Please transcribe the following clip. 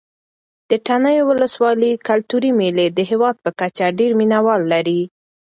د تڼیو ولسوالۍ کلتوري مېلې د هېواد په کچه ډېر مینه وال لري.